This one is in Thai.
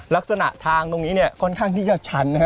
ลักษณะทางตรงนี้เนี่ยค่อนข้างที่จะชันนะฮะ